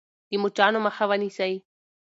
د مچانو مخه ونیسئ.